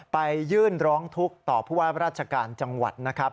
ไปยื่นร้องทุกข์ต่อผู้ว่าราชการจังหวัดนะครับ